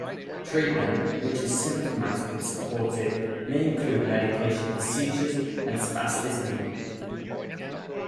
Treatment, which is symptomatic and supportive, may include medication for seizures and spasticity.